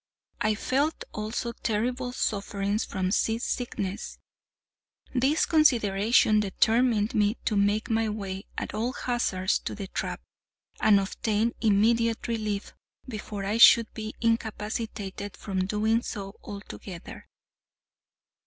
I felt, also, terrible sufferings from sea sickness. These considerations determined me to make my way, at all hazards, to the trap, and obtain immediate relief, before I should be incapacitated from doing so altogether.